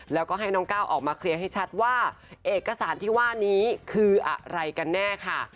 แล้วก็ให้น้องก้าวออกมาเคลียร์ให้ชัดว่าเอกสารที่ว่านี้คืออะไรกันแน่ค่ะ